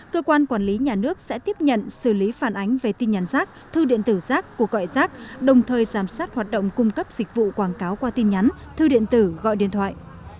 cơ quan quản lý nhà nước sẽ tiếp nhận xử lý phản ánh về tin nhắn rác thư điện tử rác cuộc gọi rác đồng thời giám sát hoạt động cung cấp dịch vụ quảng cáo qua tin nhắn thư điện tử gọi điện thoại